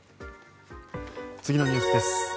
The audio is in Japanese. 次のニュースです。